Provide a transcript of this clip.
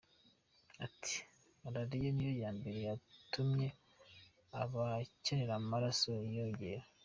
Ati “Malaria niyo ya mbere yatumye abakenera amaraso biyongera.